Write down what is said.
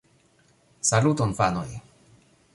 Saluton fanoj